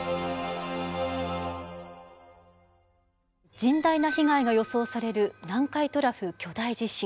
甚大な被害が予想される南海トラフ巨大地震。